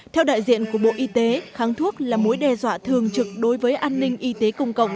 theo đại diện của bộ y tế kháng thuốc là mối đe dọa thường trực đối với an ninh y tế công cộng